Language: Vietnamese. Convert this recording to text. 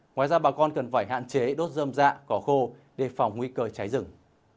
ngoài ra bà con cần phải hạn chế đốt dơm dạ cỏ khô đề phòng nguy cơ cháy rừng